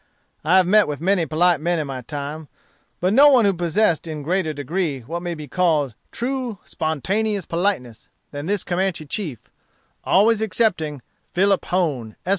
I have met with many polite men in my time, but no one who possessed in a greater degree what may be called true spontaneous politeness than this Comanche chief, always excepting Philip Hone, Esq.